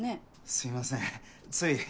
すいませんつい。